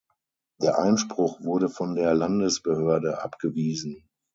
Der Einspruch wurde von der Landesbehörde abgewiesen.